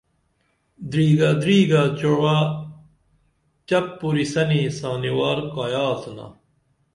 دِریگہ دریگہ چُعوہ چپ پُرِسنی سانیوار کایہ آڅِنا